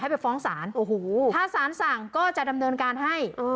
ไปฟ้องศาลโอ้โหถ้าสารสั่งก็จะดำเนินการให้